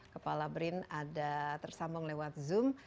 kepala brin ada tersambung lewat zoom